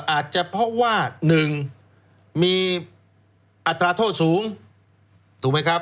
อาจจะเพราะว่า๑มีอัตราโทษสูงถูกไหมครับ